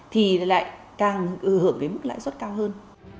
thì lại càng ưu hưởng đến mức lãi suất cao hơn